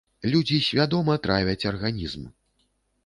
Людзі свядома травяць арганізм!